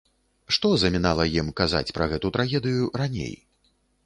Што замінала ім казаць пра гэту трагедыю раней?